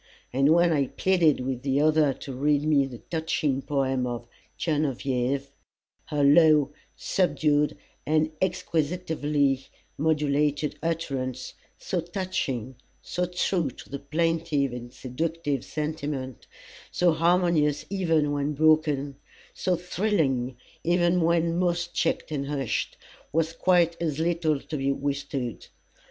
And when I pleaded with the other to read me the touching poem of "Genevieve" her low, subdued and exquisitely modulated utterance, so touching, so true to the plaintive and seductive sentiment, so harmonious even when broken, so thrilling even when most checked and hushed, was quite as little to be withstood.